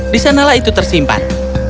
di sanalah itu tersimpan